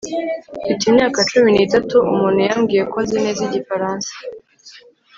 Mfite imyaka cumi nitatu umuntu yambwiye ko nzi neza igifaransa